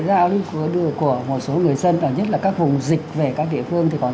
vậy chúng tôi có thể xin giấy để về quê đón con